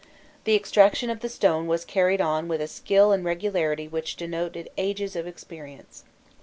The extraction of the stone was carried on with a skill and regularity which denoted ages of experience.